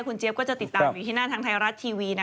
คุณเจี๊ยบก็จะติดตามอยู่ที่หน้าทางไทยรัฐทีวี